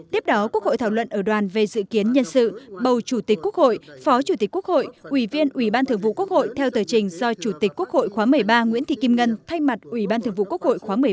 tiếp đó quốc hội thảo luận ở đoàn về dự kiến nhân sự bầu chủ tịch quốc hội phó chủ tịch quốc hội ủy viên ủy ban thường vụ quốc hội theo tờ trình do chủ tịch quốc hội khóa một mươi ba nguyễn thị kim ngân thay mặt ủy ban thường vụ quốc hội khóa một mươi ba